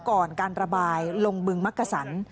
ก่อนการระบายลงบึงมักกะสัน